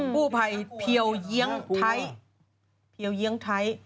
กู้ไภเพียวเยี้ยงไท้